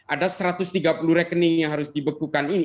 ada satu ratus tiga puluh rekening yang harus dibekukan ini